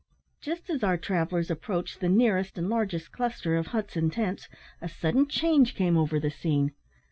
Just as our travellers approached the nearest and largest cluster of huts and tents, a sudden change came over the scene.